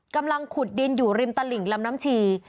กำลังขุดดินอยู่ริมตลิ่งลำน้ำชี